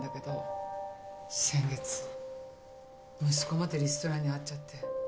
先月息子までリストラに遭っちゃって。